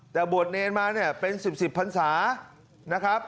แต่บวชเนรมาเนี่ยเป็น๑๐พันศานะครับ